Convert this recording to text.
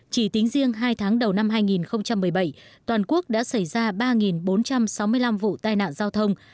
chỉ tính riêng hai tháng đầu năm hai nghìn một mươi bảy toàn quốc đã xảy ra ba bốn trăm sáu mươi năm vụ tai nạn giao thông